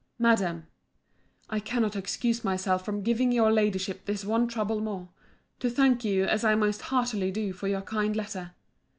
MADAM, I cannot excuse myself from giving your Ladyship this one trouble more; to thank you, as I most heartily do, for your kind letter.